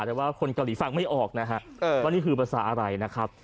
แต่ว่าคนเกาหลีฟังไม่ออกนะฮะว่านี่คือภาษาอะไรนะครับ